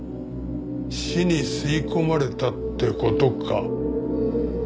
死に吸い込まれたって事か。